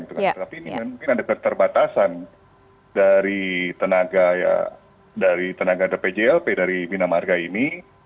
tapi ini mungkin ada keterbatasan dari tenaga dprjlp dari bina marga ini